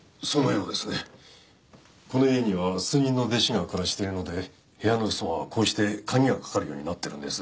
この家には数人の弟子が暮らしているので部屋のふすまはこうして鍵が掛かるようになってるんです。